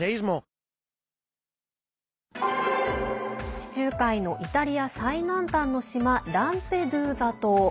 地中海のイタリア最南端の島ランペドゥーザ島。